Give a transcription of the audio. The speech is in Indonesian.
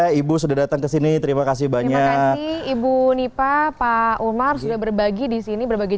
ibu ibu sudah datang kesini terima kasih banyak ibu nipah pak umar sudah berbagi di sini berbagi